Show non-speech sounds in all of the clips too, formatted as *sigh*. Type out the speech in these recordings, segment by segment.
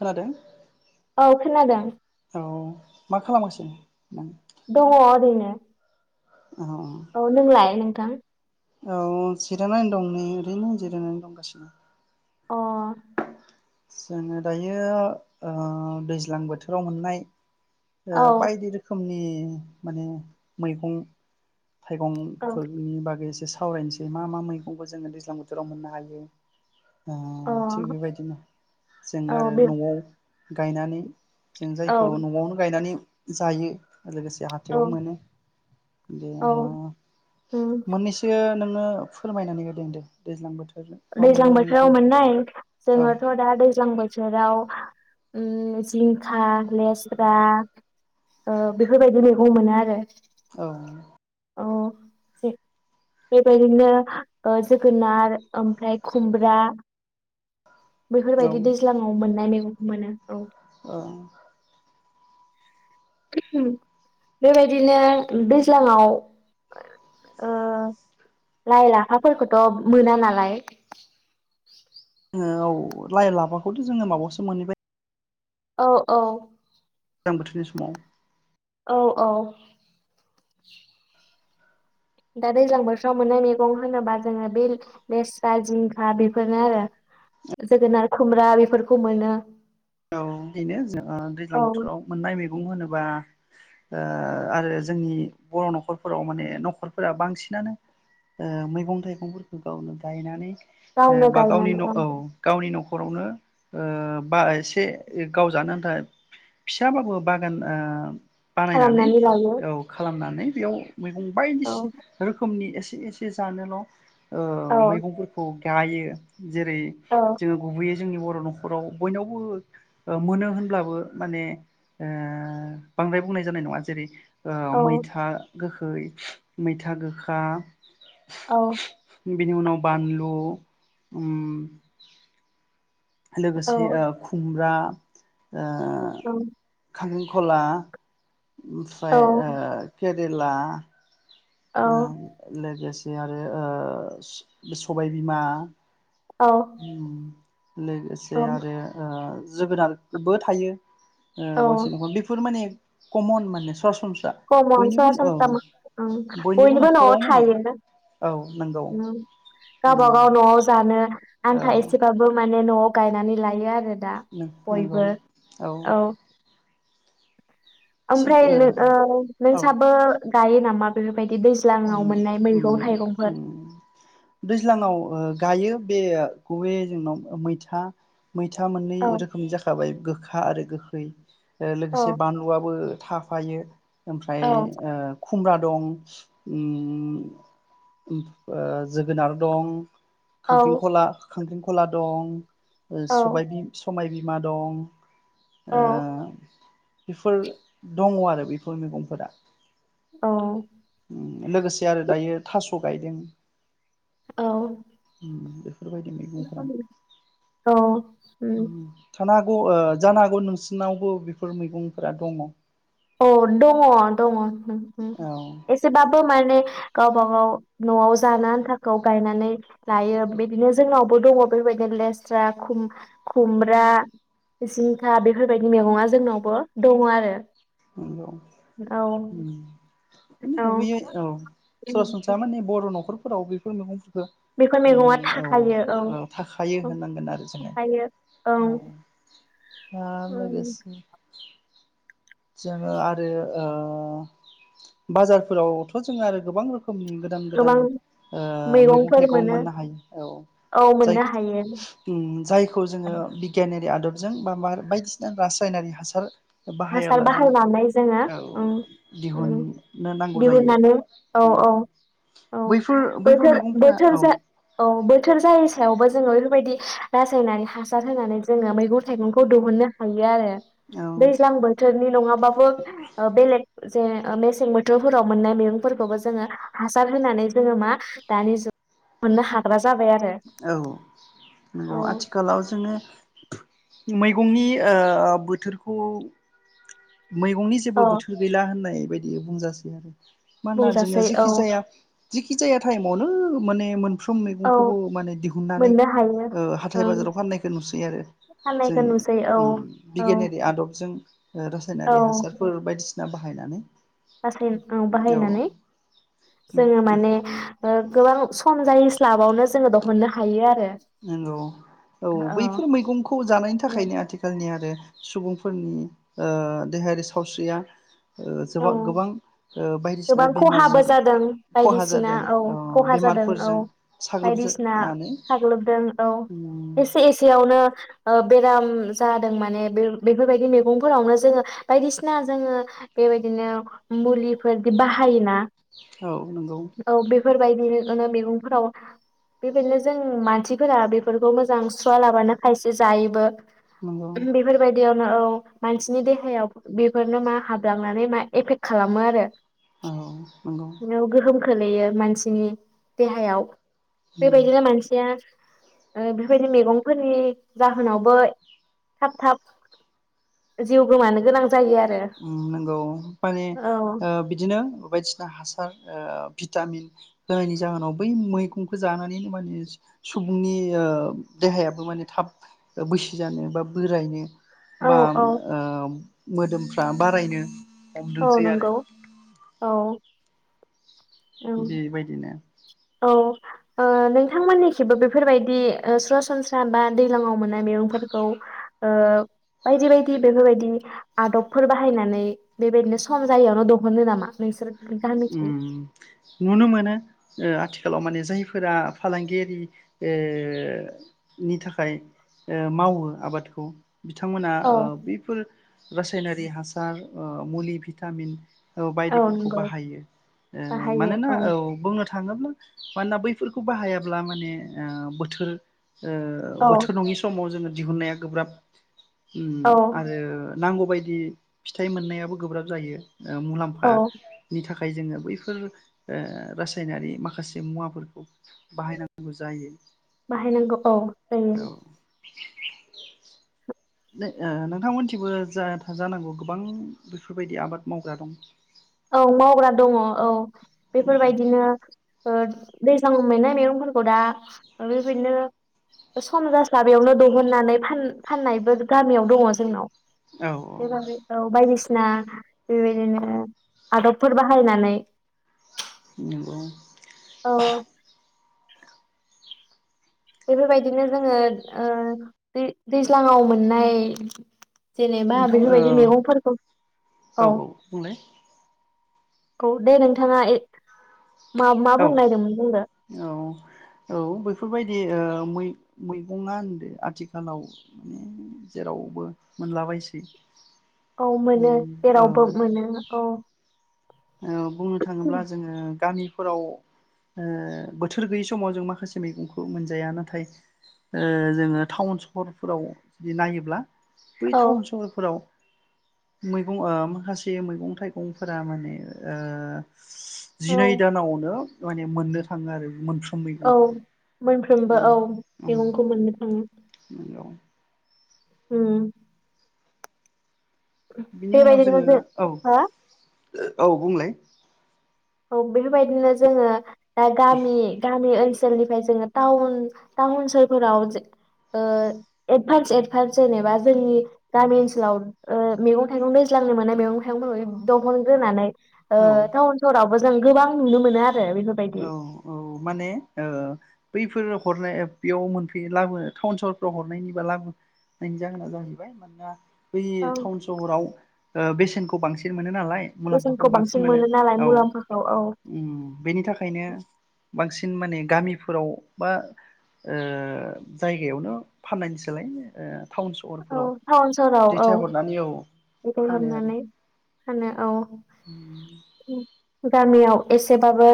खोनादों? औ खोनादों। औ मा खालामगासिनो नों? दङ ओरैनो। आव औ नोंलाय नोंथां? औ जिरायनानै दं, नै ओरैनो जिरायनो दंगासिनो। अ जोङो दायो ओ दैज्लां बोथोराव मोननाय ओ औ बायदि रोखोमनि माने मैगं औ थाइगंफोरनि बागै सावरायनोसै मा मा मैगंखौ जोङो दैज्लां बोथोराव मोननो हायो ओ अ थिग बेबायदिनो जों औ आरो बे न'आव गायनानै जों औ जायखौ न'आवनो गायनानै जायो लोगोसे औ हाथायाव मोनो दे औ उम मोननैसो नों नो फोरमायनानै होदों दे दैज्लां बोथोर दैज्लां बोथोराव मोननाय औ जोङोथ' दा दैज दैज्लां बोथोराव जिंखा लेस्रा बेफोरबायदि मैगं मोनो आरो औ । औ बे-बेबायदिनो ओ जोगोनार ओमफ्राय खुमब्रा औ बेफोरबायदि दैज्लाङाव मोननाय मैगं मोनो औ। औ बेबायदिनो दैज्लाङाव ओ लाइ लाफाफोरखौथ' मोना नालाय जोङो औ लाइ लाबाखौथ' जोङो माबायावसो मोनहैबाय औ औ । गोजां बोथोरनि समाव औ औ । दा दैज्लां बोथोराव मोननाय मैगं होनोबा जोङो बे लेस्रा जिंखा बेफोरनो आरो जोगोनार खुमब्रा बेफोरखौ मोनो औ बेनो जों दैज्लां औ बोथोराव मोननाय मैगं मैगं होनोबा आरो जोंनि बर' न'खरफोराव माने न'खरफोरा बांसिनानो मैगं थाइगंफोरखौ गावनो गायनानै गावनो बा गावनि गायनानै न' औ गावनि न'खर न'खरावनो ओ बा एसे गाव जानो आन्था फिसाबाबो बागान ओ बानायनानै खालामनानै लायो औ खालामनानै बेयाव मैगं औ बायदिसिना रोखोमनि ए एसे एसे जानोल' औ ओ मैगंफोरखौ गायो जेरै औ जोङो गुबैयै जोंनि बर' न'खराव बयनावबो ओ मोनो होनब्लाबो माने ओ बांद्राय बुंनाय जानाय नङा जेरै ओ औ मैथा गोख मैथा गोखा औ । बिनि उनाव बानलु औ लोगोसे ओ खुमब्रा ओ। खला। ओमफ्राय औ ओ के केरेला। आ लोगोसे। आरो *unintelligible* सबायबिमा औ। लोगोसे आरो ओ। जोगोनारबो थायो। औ ओ बांसिन नखर बेफोर माने। कमन माने *unintelligible* कमन बयनिबो औ सरासनस्रा बयनिबो नआव न'खराव माने थायो औ नंगौ उम गावबागाव नआव जानो। औ आन्था एसेबाबो माने। नआव गायनानै लायो आरो। आरो दा नंगौ बयबो औ। ओमफ्राय ओ नोंसाबो गायो नामा। बेबायायदि। अ ओम ओम दैज्लाङाव ओ। गायो बे गुबे जोंनाव मैथा। मैथा मोननै औ रोखोमनि जाखाबाय गोखा आरो गोख *inaudible* ओ औ लोगोसे बानलुआबो। थाफायो। ओमफ्राय औ ओ। खुमब्रा दं। ओम *unintelligible* जोगोनार दं औ खांख्रिंखला खांख्रिंख। खला दं। ओ औ सबाय बि समाय बि। मा दं। ओ। औ बेफोर दङ आरो बेफोर मैगंफोरा। औ। लोगोसे आरो दायो थास' गायदों औ ओम दे बेफोरबायदि मैगंफोरा ओम थानो हा अ ओ जानो हागौ नोंसिनावबो बेफोर मैगंफोरा दङ औ दङ दङ ओम- ओम एसेबाबो माने गावबागाव न'आव जानो आन्थाखौ गायनानै लायो बिदिनो जोंनावबो दङ बेफोरबायदिनो लेस्रा खुम-खुमब्रा जिंखा बेफोरबायदि मैगङा जोंनावबो दङ आरो नंगौ औ ओम माने औ गुबैयो औ सरासनस्रा माने बर नख'रफोराव बेफोर मैगंफोर बो बेफोर माने मैगङा औ थाखायो औ ओ थाखायो औ होननांगोन आरो जोङो थाखायो औ ओ ओ लोगोसे जोङो आरो ओ बाजारफोरावथ' जोङो आरो गोबां रो खोमनि गोबां गोदान-गोदान ओ मैगं मैगंफोर थायगं मोनो मोननो हायो औ औ जाय मोननो हायो ओम जायखौ जोङो बिगियान आदबजों बा बार बायदिसिना रासायनारि हासार बाहायाब्ला जों फानानै जोङो औ ओ ओम दिहुननो नांगौ जायो दिहुननानै औ औ औ बैफोर बैफोर बोथोर मैगंफोरा बोथोर औ जा औ बोथोर जायि सा यावबो जोङो बेफोरबायदि रासायनानै हासार होनानै जोङो मैगं थाइगंखौ दिहुननो हायो आरो औ थोरनि नङाबाबो ओ बेलेग जे मेसें बोथोरफोराव मोननाय मैगंफोरखौबो जोङो हासार होनानै जोङो मा दानि जुग मोननो हाग्रा जाबाय आरो औ औ नंगौ आथिखालाव जोङो मैगंनि ओ बोथोरखौ मैगंनि औ जेबो बोथोर गैला होननाय बादिनो बुंजासै आरो मानोना जोङो बुंजासै औ जेखि जाया जेखि जाया टाइमावनो माने मोन फ्रोम औ मैगंखौबो माने दिहुननानै मोननो हायो ओ हाथाय ओं बाजाराव फाननायखौ नुसै आरो जों फाननायखौ नुसै औ उम औ बिगियानारि आदबजों ओ रासा यनारि हासारफोर बायदिसिना सिना बाहायनानै रासाय औ बाहायनानै जोङो औ माने ओ गोबां सम जायै स्लाबावनो जोङो दहननो हायो आरो नंगौ औ बैफोर मैगंखौ जानायनि थाखायनो आथिखालनि आरो सुबुंफोरनि ओ देहायारि सावस्रिया ओ औ जोबां गोबां ओ बायदिसिना गोबां खहाबो बेमारजों जादों खहा बायदिसिना जादों औ अ खहा जादों औ बेमारफोरजों साग्लोबनानै दों औ एसे एसेयावनो ओ बेराम जादों माने बे-बेफोरबायदि मैगंफोरावनो जोङो बायदिसिना जोङो बेबायदिनो मुलिफोरदि बाहायोना औ नंगौ औ बेफोरबायदिनो *unintelligible* मैगंफोराव बेबायदिनो जों मानसिफोरा बेफोरखौ मोजां सुवालाबानो खायसे जायोबो नोंगौ बियावनो औ मानसिनि देहायाव बेफोरनो मा हाब लांनानै मा एफेक्ट खालामो आरो औ नोंगौ गोहोम खोलैयो मानसिनि देहायाव बे उम बायदिनो मानसिया ओ बेफोर बायदि मैगंफोरनि जाहोनावबो थाब थाब जिउ गोमानो गोनां जायो आरो गौ माने औ ओ बिदिनो बायदिसिना हासा ओ भिटामिन होनायनि जाहोनाव बै मैगंखौ जानानैनो माने सुबुंनि ओ देहायाबो माने थाब बैसो जानो बा बोरायनो औ बाम औ ओम मोदोमफ्रु बारायनो औ हमदोंसै आरो नंगौ औ औ बेबायदिनो औ ओ नोंथांमोननि खिबो बेफोरबायदि ओ सरासनस्रा बा दैलाङाव मोननाय मैगंफोरखौ ओ बायदि बायदि बेफोरबायदिनि आदबफोर बाहायनानै बेबायदिनो सम जायैयावनो दहनो नामा नोंसोर गामिथिं ओम नुनो मोनो ओ आथिखालाव माने जायफोरा फालांगियारिनि ओ थाखाय मावो आबादखौ बिथांमोना औ ओ बिफोर रासायनारि हासार ओ मुलि भिटामिन औ बायदिबोफोरखौ बाहायो औ मानोना औ बुंनो थां- थाङोब्ला मानोना बैफोरखौ बाहायाब्ला माने ओ बोथोर ओ औ बोथोर नङि समाव जोङो दिहुननाया गोब्राब उम औ आरो नांगौबायदि फिथाइ मोननायाबो गोब्राब जायो ओ मुलाम्फा औ थाखाय जोङो बैफोर ओ रासायनारि माखासे मुवाफोरखौ बाहायनांगौ जायो बाहायनांगौ औ औ जायो *unintelligible* नो ओ नोंथांमोनथिबो जा-जानांगौ गोबां बेफोरबायदि आबाद मावग्रा दं औ मावग्रा दङ औ बेफोरबायदिनो दैज्लांआव मोननाय मेगंफोरखौ दा ओ बेबायदिनो सम जास्लाबैयावनो दहननानै फान-फाननायबो गामियाव दङ जोंनाव। औ बेबागै औ बाय ना बेबायदिनो आदबफोर बाहायनानै। नोंगौ औ बेफोरबायदिनो जोङो ओ दै-दैज्लाङाव मोननाय जेनेबा नोंथां ओ बेफोरबायदि मैगंफोरखौ औ औ दे नोंथाङा मा मा औ बुंनो नागिरदोंमोन बुंदो औ औ बेफोरबायदि ओ मै-मैगंआ होनदो आथिखालाव जेरावबो मोनलाबायसै औ मोनो उम जेरावबो मोनो औ औ बुंनो थाङोब्ला जोङो गामि फोराव ओ बोथोर गैयै समाव जों माखासे मैगंखौ मोनजाया नाथाय ओ जोङो टाउन सहरफोराव जुदि नायोब्ला बै औ टाउन सहरफोराव मैगं ओ माखासे मैगं थाइगंफोरा माने ओ जिनै औ दानावनो माने मोननो थाङो आरो मोन औ मोनफ्रोमबो औ मैगंखौ मोननो थाङो। बियाव उम बिनि उनाव बेबायदिनो जोङो जों औ हो औ बुंलाय औ बेफोरबायदिनो जोङो दा गामि गामि ओन सोलनिफ्राय जोङो टाउन टाउन सोहोर फोराव जो ओ एडभान्स एदभान्स जेनेबा जोंनि गामि ओन्सोलाव ओ मैगं थाइगं दैज्लांनो मोनानय मैगं थाइगंफोरखौ दहनग्रोनानै ओ औ टाउन आवबो जों गोबां नुनो मोनो आ औ औ माने। बैफोर हरनाय बेयाव मोनफैयो लाबोनो टाउन सहरफ्राव हरनायनिबा लाबोनायनि जाहोना जाहैबाय मानोना। बै टाउन सहराव। बेसेनखौ बांसिन मोनो। नालाय मुलाम्फाखौ बेसेनखौ बांसिन मोनो नालाय औ मुलाम्फाखौ औ बेनि थाखाय। ओंखायनो। बांसिन माने गामिफोराव बा जायगायावनो फाननायनिसोलाय। टाउन सहरफोराव दैथायहरनानै औ। बेखौ हरना नै। फानो औ। उम। गामियाव एसेबाबो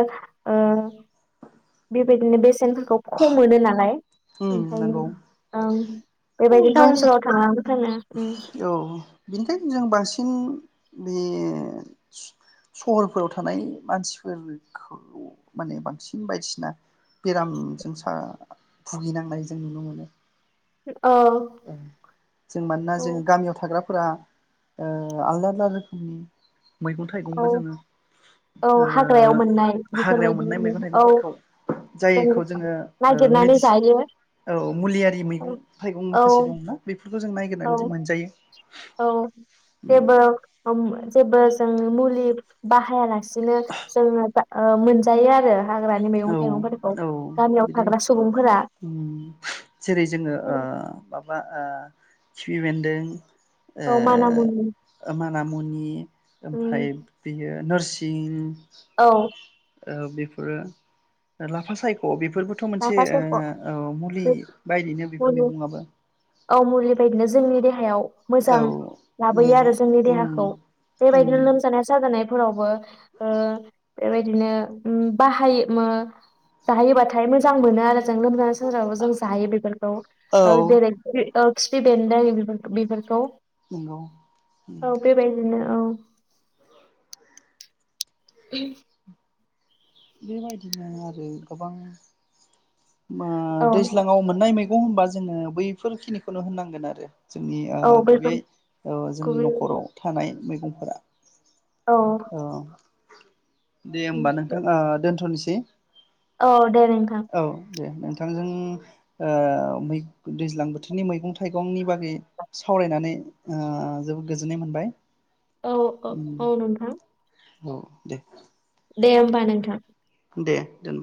बेबायदिनो बेसेन। खौ खम मोनो नालाय। उम ओंखायनों नंगौ ओं बेबायदि टाउन जायनि सहराव थांनानै। फानो उम औ बेनिखायनो जों बांसिन। बे सहरफोराव थानाय मानसिफोरखौ माने बांसिन बायदिसिना बेरामजों सा भुगिनांनाय जों नुनो मोनो। औ जों मानोना औ जों गामियाव थाग्रा। फोरा आलदा आलदा रोखोमनि। मैगं औ थाइगंबो जोङो औ हाग्रायाव मोननाय हाग्रायाव बेफोरबायदि मोननाय मैगं औ थाइगंफोरखौ जों जायखौ जोङो नागिरनानै मिदिसि जायो औ मुलियारि मैगं औ थाइगं औ माखासे। दंना बे। बेफोरखौ जों नायगिरनानै मोनजायो। औ जेबो। जेबो जों मुलि बाहायालासे। बिदिनो जों *inaudible* ओ मोनजायो आरो। हाग्रानि मैगं औ थाइगंफोरखौ औ गामियाव बिदि थाग्रा सुबुंफोरा उम जेरै जोङो माबा। ओ खिफि बेन्दों। औ माना मुनि ओ मानामुनि उम ओमफाय बेयो। नोरसिं। औ। ओ बेफोरो। लाफा सायख बेफोर बोथ मोनसे लाफा सायख' ओ औ मुलि बायदिनो बेफोर मुलि मैगङाबो औ मुलि बायदिनो जोंनि देहायाव औ मोजां लाबोयो मोजां आरो जोंनि उम देहाखौ उम बेबायदिनो लोमजानाय साजानाय फोरावबो ओ बेबायदिनो बाहायो मो जाहोयोबाथाय मो मोजां मोनो आरो जों लोमजा साजोराव जों जायो बेफोरखौ औ जेरै कपि औ खिफि बेन्दों बिफोर-बिफोरखौ नंगौ उम औ *unintelligible* बेबायदिनो आरो गोबां ओ औ दैज्लाङाव मोननाय मेग अ होनबा जोङो बैफोरखिनिखौनो होननांगोन आरो जोंनि ओ औ गुबैयै ओ जोंनि बेफोरखौबो नखराव थानाय मेगंफोरा औ दे होमबा नोंथां ओ दोनथनिसै। *inaudible* औ दे नोंथां दे नोंथांजों ओ दैज्लां बोथोरनि मैगं थाइगंनि बागै सावरायनानै ओ जोबोद गोजोननाय मोनबाय। औ उम औ नोंथां औ दे दे होमबा नोंथां। दे दोन।